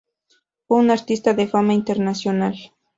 Fue un artista de fama internacional.